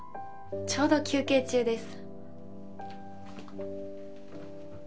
ちょうど休憩中です。